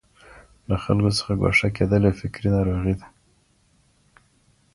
له خلګو څخه ګوښه کېدل يو فکري ناروغي ده.